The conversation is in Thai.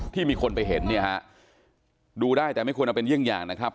มีคนไปเห็นเนี่ยฮะดูได้แต่ไม่ควรเอาเป็นเยี่ยงอย่างนะครับ